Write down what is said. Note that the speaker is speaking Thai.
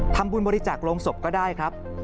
ทำบุญบริจาคโรงศพก็ได้ครับ